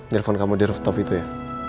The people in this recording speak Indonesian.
nelfon kamu di rooftop itu ya